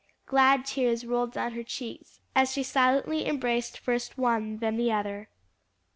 Glad tears rolled down her cheeks as she silently embraced first one, then the other.